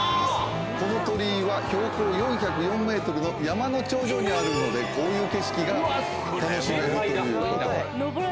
この鳥居は標高４０４ｍの山の頂上にあるのでこういう景色が楽しめるということ。